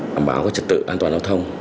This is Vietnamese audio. đảm bảo các trật tự an toàn đồng thông